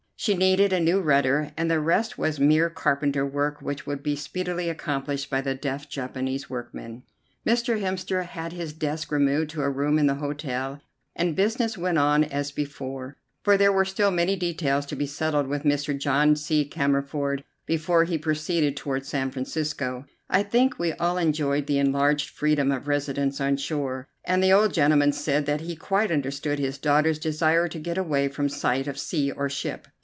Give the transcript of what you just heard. She needed a new rudder, and the rest was mere carpenter work which would be speedily accomplished by the deft Japanese workmen. Mr. Hemster had his desk removed to a room in the hotel, and business went on as before, for there were still many details to be settled with Mr. John C. Cammerford before he proceeded toward San Francisco. I think we all enjoyed the enlarged freedom of residence on shore, and the old gentleman said that he quite understood his daughter's desire to get away from sight of sea or ship.